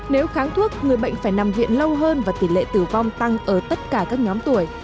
nếu kháng thuốc người bệnh phải nằm viện lâu hơn và tỷ lệ tử vong tăng ở tất cả các nhóm tuổi